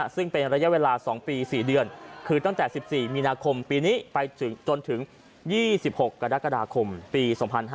ซึ่งเป็นระยะเวลา๒ปี๔เดือนคือตั้งแต่๑๔มีนาคมปีนี้ไปจนถึง๒๖กรกฎาคมปี๒๕๕๙